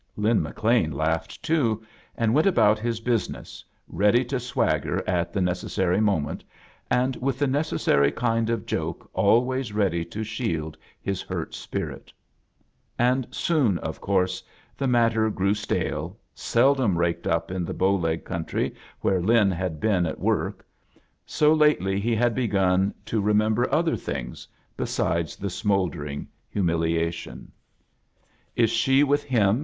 Lin McLean laughed, too, and went ^ about his business, ready to swagger at the necessary moment, and with the nec essary kind of joke always ready to shield his hurt spirit. And soon, of course, the matter grew stale, seldom raked up in the^ Bow Leg country where Lin had been at work; so lately he had begun to remember c other things besides the smouldering hu » miliation. \,/, A JOURNEY IN SEARCH OF CHRISTHAS "la she with Ilim?"